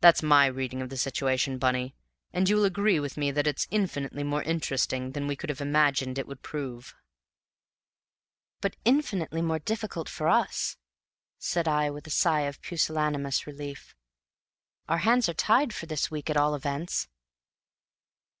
That's my reading of the situation, Bunny, and you will agree with me that it's infinitely more interesting than we could have imagined it would prove." "But infinitely more difficult for us," said I, with a sigh of pusillanimous relief. "Our hands are tied for this week, at all events."